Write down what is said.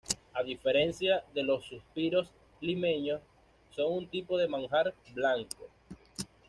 A diferencia de los suspiros limeños, son un tipo de manjar blanco.